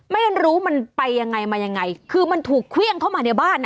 ไม่ได้รู้มันไปยังไงคือมันถูกเครื่องเข้ามาในบ้าน